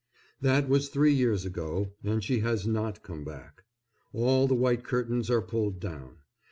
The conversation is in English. That was three years ago, and she has not come back. All the white curtains are pulled down.